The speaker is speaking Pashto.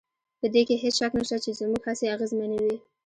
په دې کې هېڅ شک نشته چې زموږ هڅې اغېزمنې وې